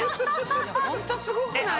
ホントすごくない？